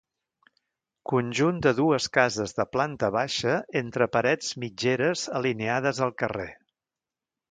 Conjunt de dues cases de planta baixa entre parets mitgeres alineades al carrer.